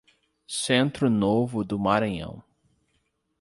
Centro Novo do Maranhão